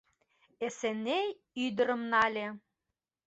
Эсеней ӱдырым нале.